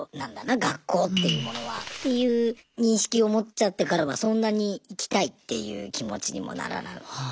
学校っていうものはっていう認識を持っちゃってからはそんなに行きたいっていう気持ちにもならないっていう。